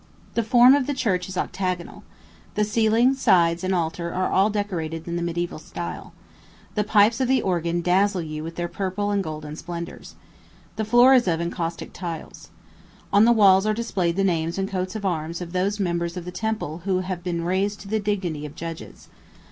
The form of the church is octagonal. The ceiling, sides, and altar are all decorated in the mediæval style. The pipes of the organ dazzle you with their purple and golden splendors. The floor is of encaustic tiles. On the walls are displayed the names and coats of arms of those members of the Temple who have been raised to the dignity of judges.